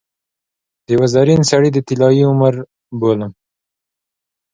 د یوه زرین سړي د طلايي عمر بولم.